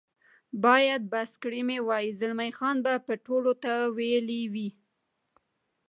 باید بس کړي مې وای، زلمی خان به ټولو ته ویلي وي.